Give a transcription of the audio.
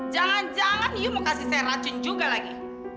jangan jangan you mau kasih saya racun juga lagi